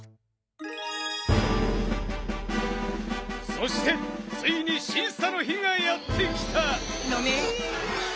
そしてついにしんさの日がやってきたのねん！